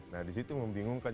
nah di situ membingungkan